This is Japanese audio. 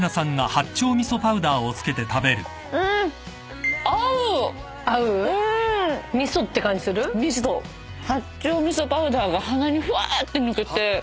八丁味噌パウダーが鼻にふわーって抜けて。